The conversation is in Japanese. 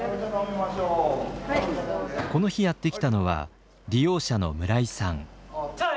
この日やって来たのは利用者の村井さん。